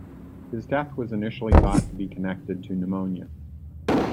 His death was initially thought to be connected to pneumonia.